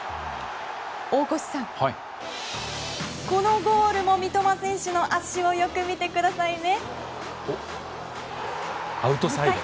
大越さん、このゴールも三笘選手の足をよく見てくださいね。